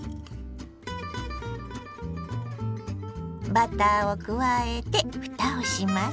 バターを加えてふたをします。